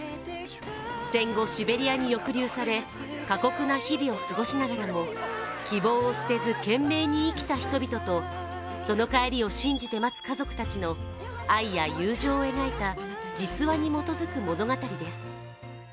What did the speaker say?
戦後シベリアに抑留され過酷な日々を過ごしながらも希望を捨てず、懸命に生きた人々とその帰りを信じて待つ家族たちの愛や友情を描いた実話に基づく物語です。